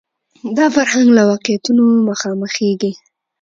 دا فرهنګ له واقعیتونو مخامخېږي